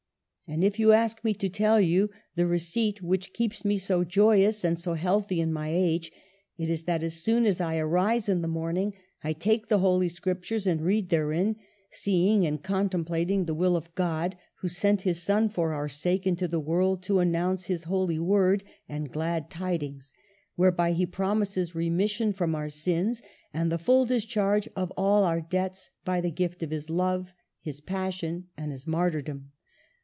And if you ask me to tell you the receipt which keeps me so joyous and so healthy in my age, it is that as soon as I arise in the morning I take the Holy Scriptures and read therein, seeing and contemplating the Will of God, who sent His Son for our sake into the world to announce His Holy Word and glad tidings, whereby He promises remission from our sins and the full dis charge of all our debts, by the gift of His love, His passion, and His martyrdom.